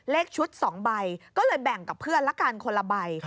เลขชุด๒ใบก็เลยแบ่งกับเพื่อนละกันคนละใบ